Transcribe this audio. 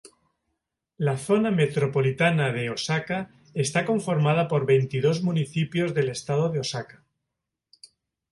La Zona Metropolitana de Oaxaca está conformada por veintidós municipios del estado de Oaxaca.